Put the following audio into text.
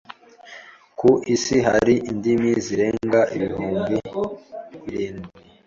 Ku isi hari indimi zirenga ibihumbi birindwi.